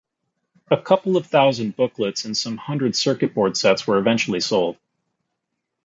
A couple of thousand booklets and some hundred circuit board sets were eventually sold.